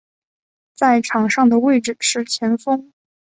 在场上的位置是前锋。